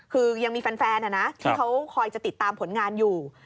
คือยังมีแฟนที่เขาคอยจะติดตามผลงานอยู่